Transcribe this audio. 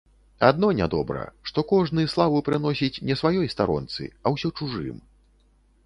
Адно нядобра, што кожны славу прыносіць не сваёй старонцы, а ўсё чужым.